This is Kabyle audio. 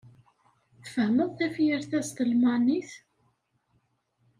Tfehmeḍ tafyirt-a s talmanit?